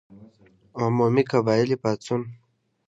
عمومي قبایلي پاڅون.